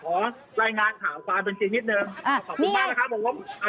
ขอรายงานข่าวฟาเป็นชีวิตนิดหนึ่งขอบคุณมากแล้วครับผม